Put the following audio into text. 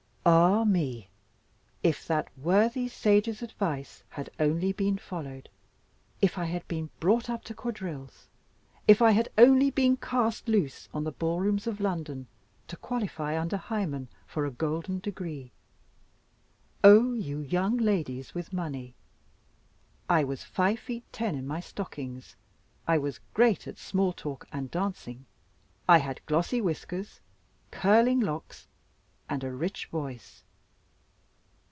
Ah, me! if that worthy sage's advice had only been followed if I had been brought up to Quadrilles! if I had only been cast loose on the ballrooms of London, to qualify under Hymen, for a golden degree! Oh! you young ladies with money, I was five feet ten in my stockings; I was great at small talk and dancing; I had glossy whiskers, curling locks, and a rich voice!